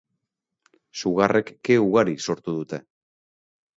Sugarrek ke ugari sortu dute.